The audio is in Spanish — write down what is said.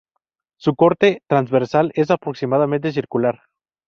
Su corte transversal es aproximadamente circular.